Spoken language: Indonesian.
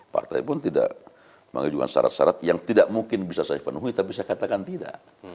partai pun tidak mengajukan syarat syarat yang tidak mungkin bisa saya penuhi tapi saya katakan tidak